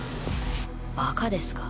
バカですか？